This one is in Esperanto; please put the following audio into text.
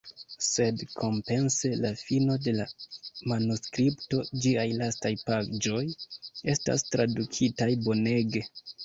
Sed kompense la fino de la manuskripto, ĝiaj lastaj paĝoj, estas tradukitaj bonege.